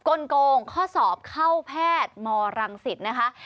ลงข้อสอบเข้าแพทย์มรังสิตนะคะ